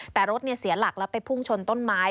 แต่รถเสียหลักแล้วไปพุ่งชนต้นไม้